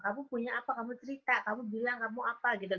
kamu punya apa kamu cerita kamu bilang kamu apa gitu